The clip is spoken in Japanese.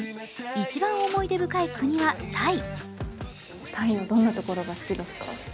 一番思い出深い国はタイ。